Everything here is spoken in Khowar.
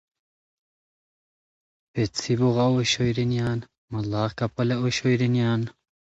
پیڅھی بوغاؤ اوشوئے رینیان، ماڑاغ کپالہ اوشوئے رینیان